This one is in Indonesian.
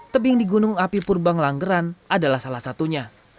tebing di gunung api purbang langgeran adalah salah satunya